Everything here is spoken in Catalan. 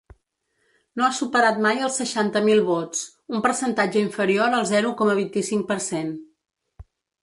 No ha superat mai els seixanta mil vots, un percentatge inferior al zero coma vint-i-cinc per cent.